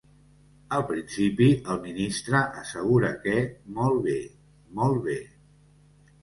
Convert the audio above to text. Al principi, el ministre assegura que ‘molt bé, molt bé’.